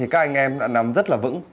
các anh em đã nắm rất là vững